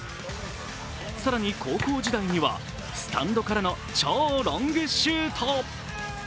更に高校時代には、スタンドからの超ロングシュート。